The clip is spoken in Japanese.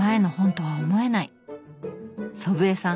祖父江さん